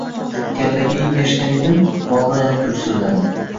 Kallaga engashgan edim, bolg‘a yana gursilladi.